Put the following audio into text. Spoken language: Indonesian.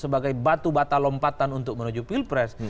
yang dianggap sebagai batu batalompatan untuk menuju pilpres